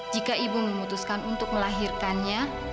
jika ibu memutuskan untuk melahirkannya